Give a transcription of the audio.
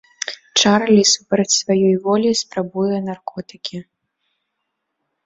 Чарлі супраць сваёй волі спрабуе наркотыкі.